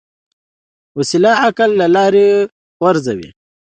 وسله عقل له کاره غورځوي